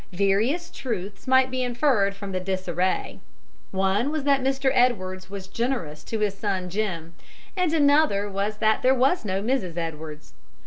Various truths might be inferred from the disarray. One was that Mr. Edwards was generous to his son Jim, and another was that there was no Mrs. Edwards.